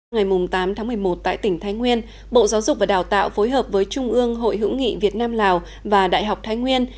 ngày tám tháng một mươi một tại tỉnh thái nguyên bộ giáo dục và đào tạo phối hợp với trung ương hội hữu nghị việt nam lào và đại học thái nguyên